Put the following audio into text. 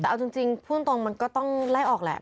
แต่เอาจริงพูดตรงมันก็ต้องไล่ออกแหละ